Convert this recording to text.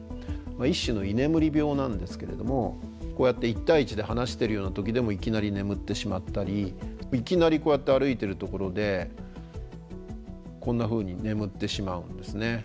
一種の居眠り病なんですけれどもこうやって１対１で話してるような時でもいきなり眠ってしまったりいきなりこうやって歩いてるところでこんなふうに眠ってしまうんですね。